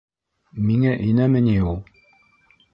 Миңә инәме ни ул?